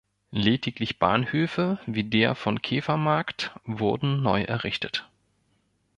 Lediglich Bahnhöfe wie der von Kefermarkt wurden neu errichtet.